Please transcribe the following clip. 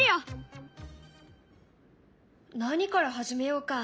何から始めようか？